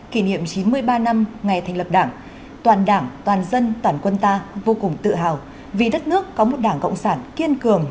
kỷ niệm chín mươi ba năm ngày thành lập đảng toàn đảng toàn dân toàn quân ta vô cùng tự hào vì đất nước có một đảng cộng sản kiên cường